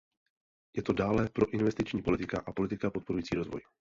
Je to dále proinvestiční politika a politika podporující rozvoj.